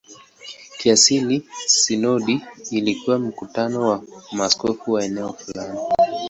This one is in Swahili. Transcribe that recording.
Kiasili sinodi ilikuwa mkutano wa maaskofu wa eneo fulani.